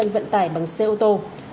vận tải bằng xe ô tô